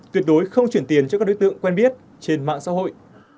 tuyệt đối không chuyển tiền cho các đối tượng quen biết trên mạng xã hội